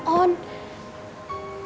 sekarang meika udah bisa mulai hidup baru